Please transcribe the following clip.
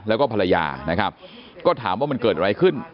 แล้วก็ภรรยานะครับก็ถามว่ามันเกิดอะไรขึ้น